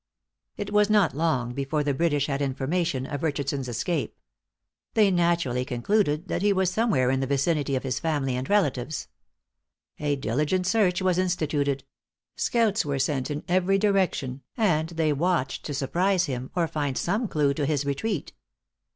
It was not long before the British had information of Richardson's escape. They naturally concluded that he was somewhere in the vicinity of his family and relatives. A diligent search was instituted; scouts were sent in every direction, and they watched to surprise him, or find some clue to his retreat.